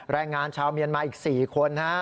แรงงานชาวเมียนมาอีก๔คน